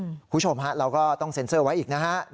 คุณผู้ชมฮะเราก็ต้องเซ็นเซอร์ไว้อีกนะฮะ